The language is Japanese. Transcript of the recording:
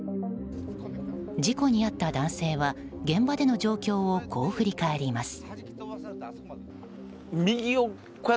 事故に遭った男性は現場での状況をこう振り返ります。